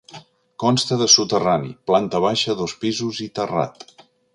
Consta de soterrani, planta baixa, dos pisos i terrat.